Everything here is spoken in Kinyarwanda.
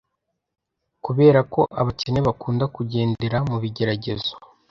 kuberako abakene bakunda kugendera mubigeragezo